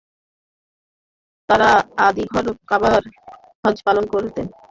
তাঁরা আদিঘর কাবায় হজ্জ পালন করতেন।